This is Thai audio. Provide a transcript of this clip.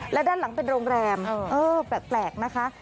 และด้านหลังเป็นโรงแรมเออแปลกนะคะ